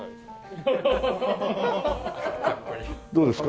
どうですか？